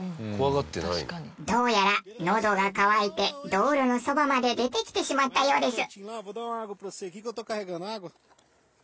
どうやらのどが渇いて道路のそばまで出てきてしまったようです。